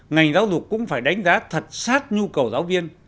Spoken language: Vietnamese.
ngành giáo dục cũng phải đánh giá thật sát nhu cầu giáo viên